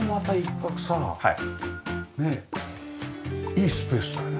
いいスペースだよね。